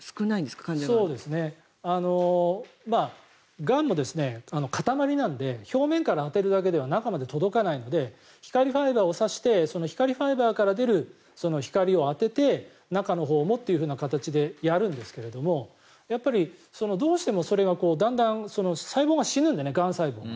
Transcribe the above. がんの塊なので表面から当てるだけでは中まで届かないので光ファイバーを差して光ファイバーから出る光を当てて中のほうもという形でやるんですけどもやっぱりどうしてもそれがだんだん細胞が死ぬんで、がん細胞が。